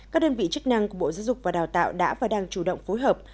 các đơn vị chức năng của bộ giáo dục và đào tạo đã và đang chủ động phối hợp